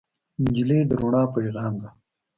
نجلۍ د رڼا پېغام ده.